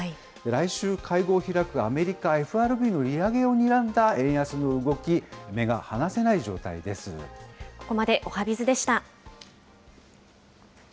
来週、会合を開くアメリカＦＲＢの利上げをにらんだ円安の動き、目が離ここまでおはＢｉｚでした。